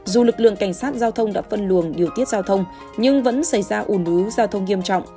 dù lực lượng cảnh sát giao thông đã phân luồng điều tiết giao thông nhưng vẫn xảy ra ủn ứ giao thông nghiêm trọng